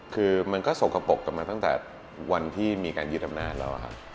คือมันก็สกปรกกันมาตั้งแต่วันที่มีการยึดอำนาจแล้วครับ